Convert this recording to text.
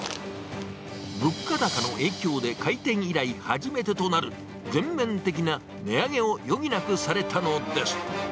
物価高の影響で、開店以来、初めてとなる全面的な値上げを余儀なくされたのです。